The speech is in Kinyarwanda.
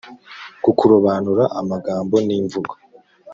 ku kurobanura amagambo n’imvugo